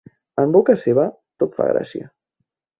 En boca seva, tot fa gràcia.